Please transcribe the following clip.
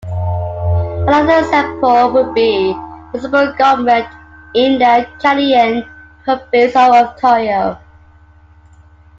Another example would be "municipal government" in the Canadian province of Ontario.